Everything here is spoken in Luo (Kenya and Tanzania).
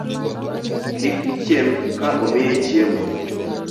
Kik ichiem ka omiyi chiemo